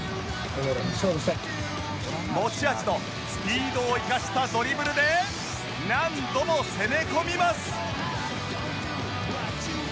持ち味のスピードを生かしたドリブルで何度も攻め込みます！